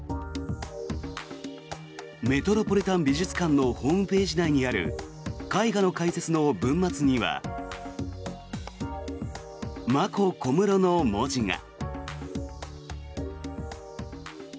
メトロポリタン美術館のホームページ内にある絵画の解説の文末にはＭａｋｏＫｏｍｕｒｏの文字が。